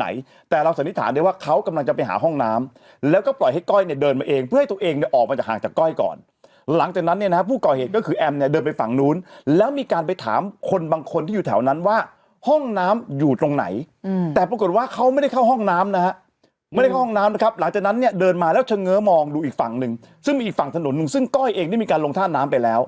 หลังจากนั้นเนี้ยนะฮะผู้ก่อยเหตุก็คือแอมเนี้ยเดินไปฝั่งนู้นแล้วมีการไปถามคนบางคนที่อยู่แถวนั้นว่าห้องน้ำอยู่ตรงไหนอืมแต่ปรากฏว่าเขาไม่ได้เข้าห้องน้ำนะฮะไม่ได้เข้าห้องน้ำนะครับหลังจากนั้นเนี้ยเดินมาแล้วเฉิงเงินมองดูอีกฝั่งหนึ่งซึ่งมีอีกฝั่งถนนหนึ่งซึ่งก้อยเองได้มีการล